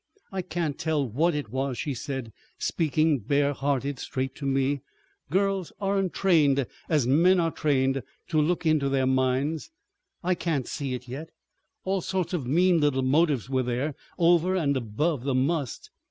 "I can't tell what it was," she said, speaking bare hearted straight to me. "Girls aren't trained as men are trained to look into their minds. I can't see it yet. All sorts of mean little motives were there—over and above the 'must.